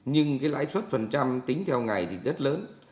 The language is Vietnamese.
nhưng cái lãi suất phần trăm tính theo ngày thì rất lớn